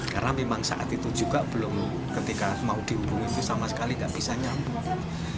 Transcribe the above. karena memang saat itu juga belum ketika mau dihubungi itu sama sekali tidak bisa nyambung